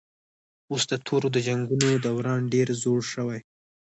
اوس د تورو د جنګونو دوران ډېر زوړ شوی